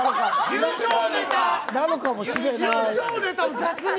優勝ネタを雑に！